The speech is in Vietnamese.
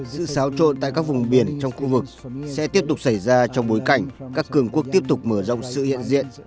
sự xáo trộn tại các vùng biển trong khu vực sẽ tiếp tục xảy ra trong bối cảnh các cường quốc tiếp tục mở rộng sự hiện diện